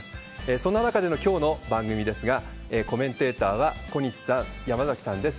そんな中でのきょうの番組ですが、コメンテーターは小西さん、山崎さんです。